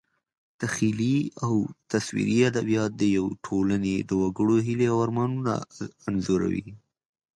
تخیلي او تصویري ادبیات د یوې ټولنې د وګړو هیلې او ارمانونه انځوروي.